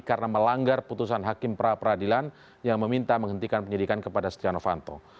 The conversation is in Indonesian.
karena melanggar putusan hakim pra pradilan yang meminta menghentikan penyidikan kepada setia novanto